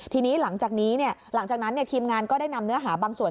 ทีนี้หลังจากนี้หลังจากนั้นทีมงานก็ได้นำเนื้อหาบางส่วน